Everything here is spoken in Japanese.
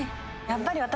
やっぱり私。